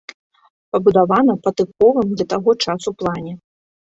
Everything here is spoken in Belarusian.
Пабудавана па тыповым для таго часу плане.